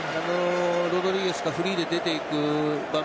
ロドリゲスがフリーで出ていく場面